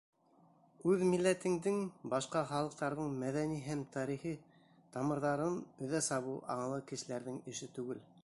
Үҙ милләтеңдең, башҡа халыҡтарҙың мәҙәни һәм тарихи тамырҙарын өҙә сабыу аңлы кешеләрҙең эше түгел.